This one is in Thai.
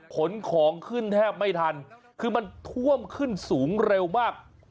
ขนของขึ้นแทบไม่ทันคือมันท่วมขึ้นสูงเร็วมาก